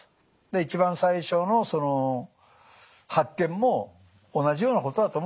一番最初の発見も同じようなことだと思うんですよね。